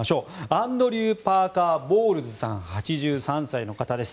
アンドリュー・パーカー・ボウルズさん、８３歳の方です。